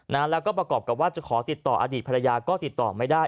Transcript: แล้วก็ประกอบกับว่าจะขอติดต่ออดีตภรรยาก็ติดต่อไม่ได้